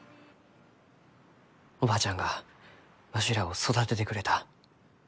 おばあちゃんがわしらを育ててくれた。